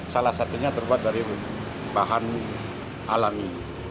salah satunya terbuat dari bahan alami